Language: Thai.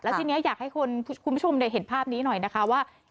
ทีนี้อยากให้คุณผู้ชมได้เห็นภาพนี้หน่อยนะคะว่า